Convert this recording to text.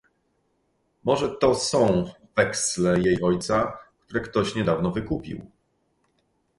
"Może to są weksle jej ojca, które ktoś niedawno wykupił?..."